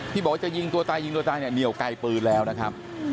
บอกว่าจะยิงตัวตายยิงตัวตายเนี่ยเหนียวไกลปืนแล้วนะครับ